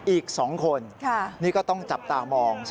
อีก๒คนนี่ก็ต้องจับตามอง